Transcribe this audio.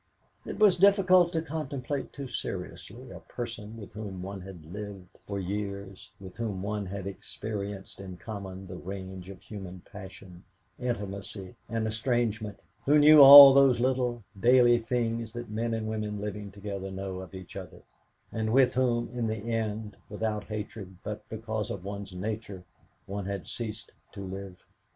It was difficult to contemplate too seriously a person with whom one had lived for years, with whom one had experienced in common the range of human passion, intimacy, and estrangement, who knew all those little daily things that men and women living together know of each other, and with whom in the end, without hatred, but because of one's nature, one had ceased to live.